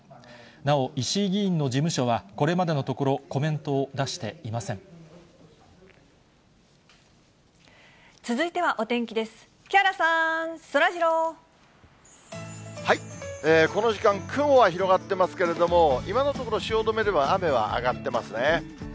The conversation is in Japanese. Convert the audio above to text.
なお、石井議員の事務所は、これまでのところ、コメントを出この時間、雲は広がってますけれども、今のところ、汐留では雨は上がっていますね。